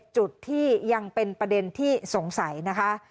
จุดที่ยังเป็นประเด็นที่สงสัยนะคะ